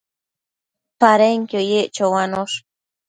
Padenquio yec choanosh